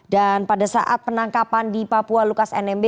dan pada saat penangkapan di papua lukas nmb